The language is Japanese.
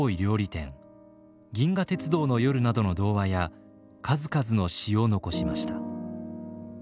「銀河鉄道の夜」などの童話や数々の詩を残しました。